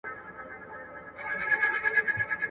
زه نه سر لاری د کوم کاروان یم .